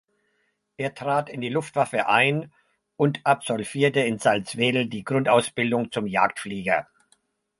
Er trat in die Luftwaffe ein und absolvierte in Salzwedel die Grundausbildung zum Jagdflieger.